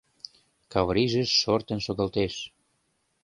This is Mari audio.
Каврийже шортын шогылтеш.